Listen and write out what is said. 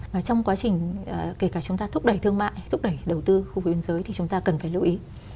và trong quá trình kể cả chúng ta thúc đẩy thương mại thúc đẩy đầu tư khu vực biên giới thì chúng ta cần phải lưu ý